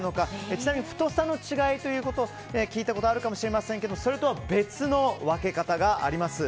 ちなみに太さの違いというのを聞いたことあるかもしれませんけど、それとは別の分け方があります。